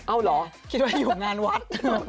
เอาเหรอคิดว่าอยู่งานวัด